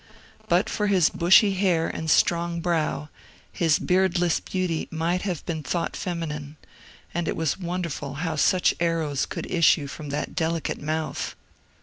But for his bushy hair and strong brow, his beardless beauty might have been thought feminine ; and it was won derful how such arrows could issue from that delicate mouth.